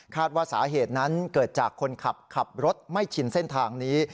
ว่าสาเหตุนั้นเกิดจากคนขับขับรถไม่ชินเส้นทางนี้